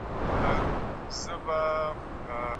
سږنۍ قحطي د تېرو کلونو په پرتله سخته ده.